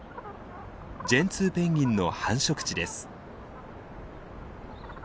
ジェンツーペンギンの繁殖地です。